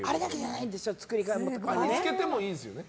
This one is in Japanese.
つけてもいいんですね？